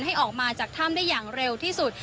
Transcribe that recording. ให้ออกมาจากถ้ำได้อย่างเร็วที่สุด